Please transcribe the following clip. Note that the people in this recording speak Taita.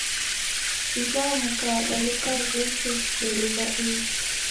Ujha mka wadaluka w'eke doli w'a uzi